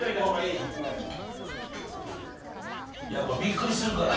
いやこれびっくりするから。